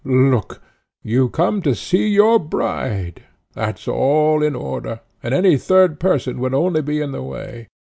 look! You come to see your bride. That's all in order, and any third person would only be in the way.